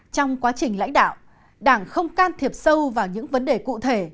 trong quá trình lãnh đạo đảng không can thiệp sâu vào những vấn đề cụ thể